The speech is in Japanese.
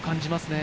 ね。